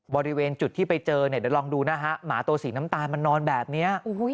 บริเวณจุดที่ไปเจอเนี่ยเดี๋ยวลองดูนะฮะหมาตัวสีน้ำตาลมันนอนแบบนี้